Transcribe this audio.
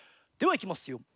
ではいきますよ。